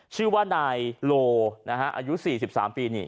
ชื่อว่านายโลนะฮะอายุสี่สิบสามปีนี่